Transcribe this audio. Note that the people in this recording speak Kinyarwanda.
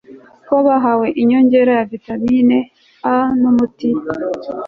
ko bahawe inyongera ya vitamini a n'umuti